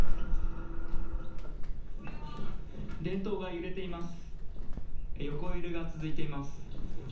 電灯が揺れています。